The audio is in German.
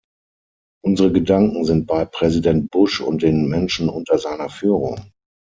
Unsere Gedanken sind bei Präsident Bush und den Menschen unter seiner Führung.